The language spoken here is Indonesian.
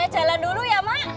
jalan dulu ya mak